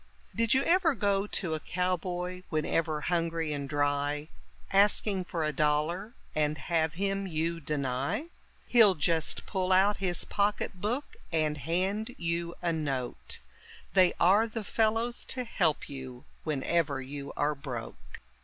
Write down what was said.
Did you ever go to a cowboy whenever hungry and dry, Asking for a dollar, and have him you deny? He'll just pull out his pocket book and hand you a note, They are the fellows to help you whenever you are broke.